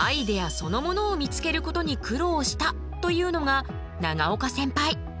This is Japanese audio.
そのものを見つけることに苦労したというのが永岡センパイ。